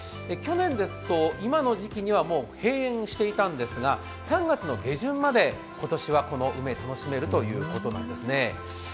去年ですと今の時期にはもう閉園していたのですが、３月下旬まで今年はこの梅、楽しめるということなんですね。